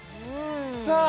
さあ